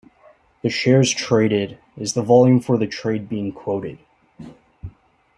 The shares traded is the volume for the trade being quoted.